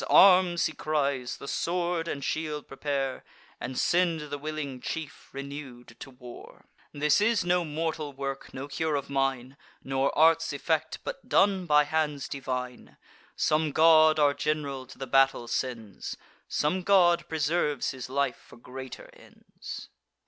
arms!" he cries; "the sword and shield prepare, And send the willing chief, renew'd, to war. This is no mortal work, no cure of mine, Nor art's effect, but done by hands divine. Some god our general to the battle sends; Some god preserves his life for greater ends."